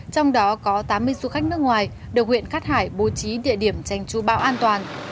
trong đó có tám mươi du khách nước ngoài được huyện cát hải bố trí địa điểm tranh tru bão an toàn